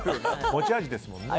持ち味ですもんね。